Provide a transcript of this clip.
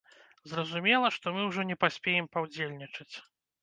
Зразумела, што мы ўжо не паспеем паўдзельнічаць.